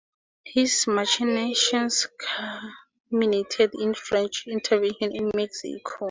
His machinations culminated in the French intervention in Mexico.